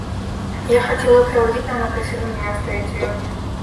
Я хотел ее проводить, но она просила меня оставить ее одну.